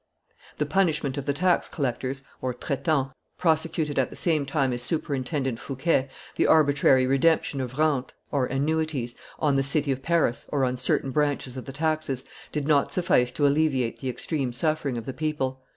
The punishment of the tax collectors (traitants), prosecuted at the same time as superintendent Fouquet, the arbitrary redemption of rentes (annuities) on the city of Paris or on certain branches of the taxes, did not suffice to alleviate the extreme suffering of the people.